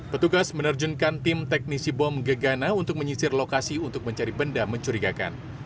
petugas menerjunkan tim teknisi bom gegana untuk menyisir lokasi untuk mencari benda mencurigakan